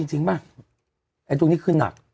เอาจริงมาไอตรงนี้คืนนัก